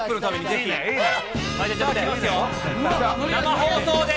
生放送です。